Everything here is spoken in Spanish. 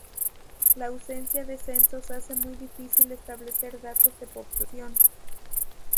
La ausencia de censos hace muy difícil establecer datos de población.